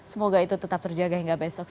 semoga itu tetap terjaga hingga besok